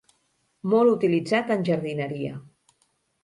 Molt utilitzat en jardineria.